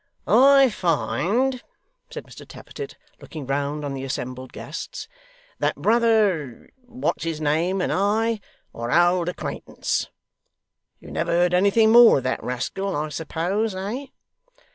'I find,' said Mr Tappertit, looking round on the assembled guests, 'that brother What's his name and I are old acquaintance. You never heard anything more of that rascal, I suppose, eh?